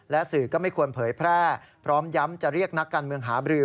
และสื่อก็ไม่ควรเผยแพร่พร้อมย้ำจะเรียกนักการเมืองหาบรือ